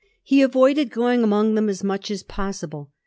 He avoided going among them as much as possible.